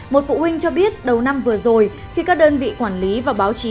một phụ huynh cho biết đầu năm vừa rồi khi các đơn vị quản lý và báo chí